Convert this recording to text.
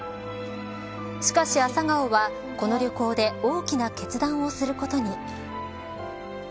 しかし朝顔はこの旅行で大きな決断をすることに。